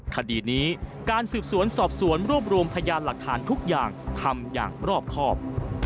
คดีนี้การสืบสวนสอบสวนรวบรวมพยานหลักฐานทุกอย่างทำอย่างรอบครอบ